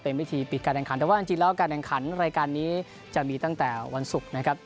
เป็นวิธีปิดการแข่งขันแต่ว่าจริงแล้วการแข่งขันรายการนี้จะมีตั้งแต่วันศุกร์นะครับ